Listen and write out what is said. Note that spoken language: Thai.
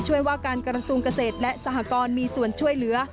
ว่าการกระทรวงเกษตรและสหกรมีส่วนช่วยเหลือ